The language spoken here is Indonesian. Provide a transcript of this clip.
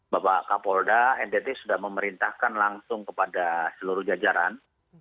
bapak kapolda ntt sudah memerintahkan langsung kepada seluruh jajaran